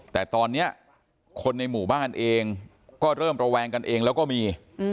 แต่ตอนนี้คนในหมู่บ้านเองก็เริ่มระแวงกันเองแล้วก็มี